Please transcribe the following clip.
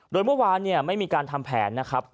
โดยเมื่อวานไม่มีการทำแผนนะครับ